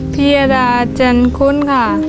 เบียดาเจ้นคุ้นค่ะ